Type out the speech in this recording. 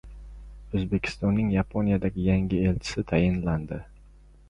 O‘zbekistonning Yaponiyadagi yangi elchisi tayinlandi